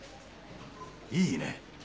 いいね！